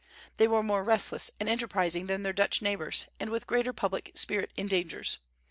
They were more restless and enterprising than their Dutch neighbors, and with greater public spirit in dangers.